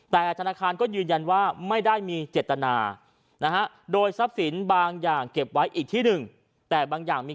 แต่ธนาคารก็ยืนยันว่าไม่ได้มีเจตนานะฮะโดยทรัพย์สินบางอย่างเก็บไว้อีกที่หนึ่งแต่บางอย่างมี